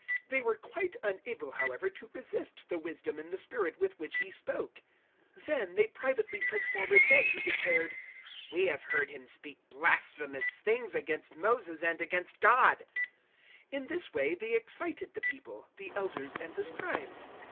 006:010 They were quite unable, however, to resist the wisdom and the Spirit with which he spoke. 006:011 Then they privately put forward men who declared, "We have heard him speak blasphemous things against Moses and against God." 006:012 In this way they excited the people, the Elders, and the Scribes.